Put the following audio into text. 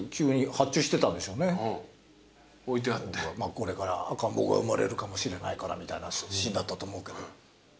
これから赤ん坊が生まれるかもしれないからみたいなシーンだったと思うけど。